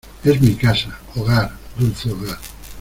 es mi casa. hogar, dulce hogar .